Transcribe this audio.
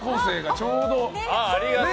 ちょうど。